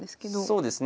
そうですね。